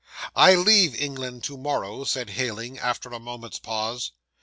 '"I leave England to morrow," said Heyling, after a moment's pause.